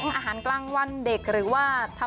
อย่างอาหารกลางวันเด็กหรือว่าทำบุญ